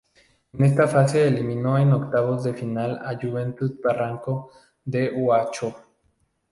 En esta fase eliminó en Octavos de Final a Juventud Barranco de Huacho.